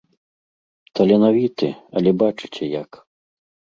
Таленавіты, але бачыце як.